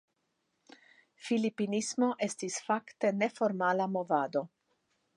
Filipinismo estis fakte neformala movado.